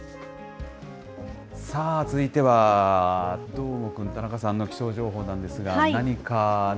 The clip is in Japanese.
さあ、続いては、どーもくん、田中さんの気象情報なんですが、何か、何？